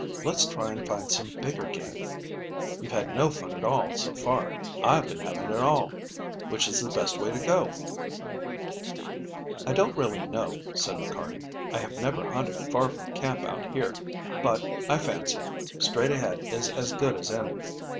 Let's try and find some bigger game. You've had no fun at all, so far. I've been having it all. Which is the best way to go?" "I don't really know," said McCarty. "I have never hunted far from camp out here, but, I fancy, straight ahead is as good as any.